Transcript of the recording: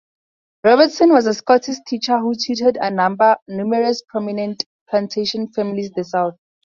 Robertson was a Scottish teacher who tutored numerous prominent plantation families in the South.